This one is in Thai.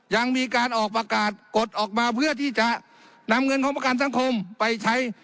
ยังมีการออกประกาศกดออกมาเพื่อที่จะนำเงินของประกันสังคมไปใช้